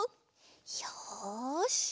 よし。